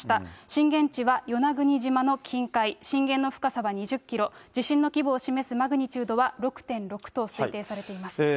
震源地は与那国島の近海、震源の深さは２０キロ、地震の規模を示すマグニチュードは６．６と推定されています。